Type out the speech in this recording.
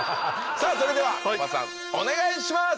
さぁそれではコバさんお願いします！